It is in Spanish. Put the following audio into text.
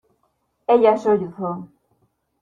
ella sollozó: